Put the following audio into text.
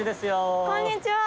こんにちは！